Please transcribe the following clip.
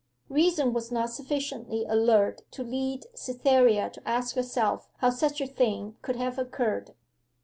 Reason was not sufficiently alert to lead Cytherea to ask herself how such a thing could have occurred.